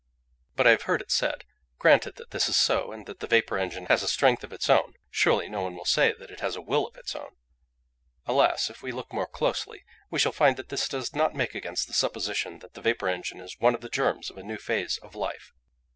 "But I have heard it said, 'granted that this is so, and that the vapour engine has a strength of its own, surely no one will say that it has a will of its own?' Alas! if we look more closely, we shall find that this does not make against the supposition that the vapour engine is one of the germs of a new phase of life.